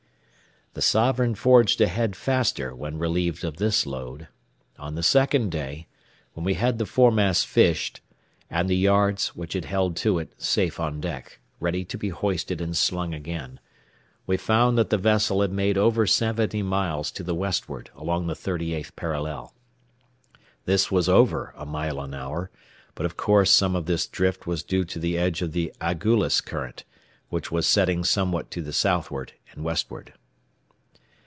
The Sovereign forged ahead faster when relieved of this load. On the second day, when we had the foremast fished, and the yards, which had held to it, safe on deck, ready to be hoisted and slung again, we found that the vessel had made over seventy miles to the westward along the thirty eighth parallel. This was over a mile an hour; but of course some of this drift was due to the edge of the Agullas current, which was setting somewhat to the southward and westward.